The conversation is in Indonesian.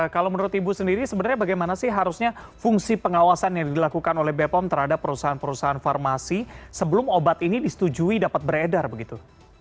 kalau menurut ibu sendiri sebenarnya bagaimana sih harusnya fungsi pengawasan yang dilakukan oleh bepom terhadap perusahaan perusahaan farmasi sebelum obat ini disetujui dapat beredar begitu